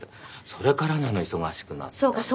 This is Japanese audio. それからなの忙しくなったのが。